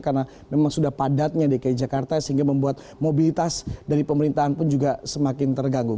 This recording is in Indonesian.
karena memang sudah padatnya dki jakarta sehingga membuat mobilitas dari pemerintahan pun juga semakin terganggu